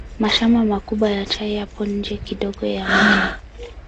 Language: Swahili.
Mashamba makubwa ya chai yapo nje kidogo ya mji.